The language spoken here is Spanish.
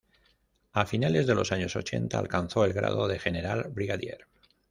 A finales de los años ochenta alcanzó el grado de general brigadier.